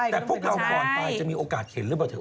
แต่พวกเราก่อนไปจะมีโอกาสเห็นหรือเปล่าเถ